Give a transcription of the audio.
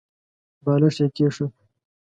بالښت يې کېښود.